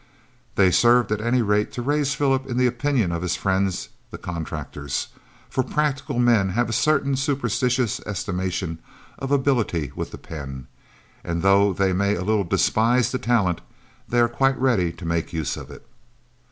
They served at any rate to raise Philip in the opinion of his friends the contractors, for practical men have a certain superstitious estimation of ability with the pen, and though they may a little despise the talent, they are quite ready to make use of it.